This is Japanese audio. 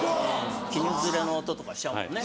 きぬ擦れの音とかしちゃうもんね。